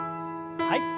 はい。